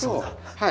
はい。